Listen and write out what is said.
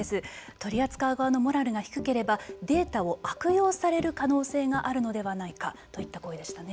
取り扱う側のモラルが低ければデータを悪用される可能性があるのではないかといった声でしたね。